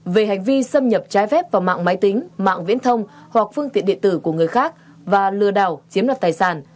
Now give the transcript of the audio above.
về hành vi xâm nhập trái phép vào mạng máy tính mạng viễn thông hoặc phương tiện điện tử của người khác và lừa đảo chiếm đoạt tài sản